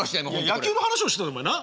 野球の話をしてたお前な。